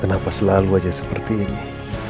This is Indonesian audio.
kenapa selalu aja seperti ini